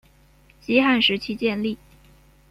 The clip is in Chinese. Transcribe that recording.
西汉时期建立。